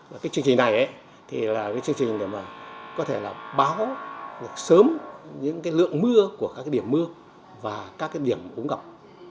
trong trường trình này trường trình có thể báo sớm những lượng mưa của các điểm mưa và các điểm ứng gặp